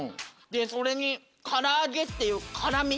でそれに辛揚げっていう辛み。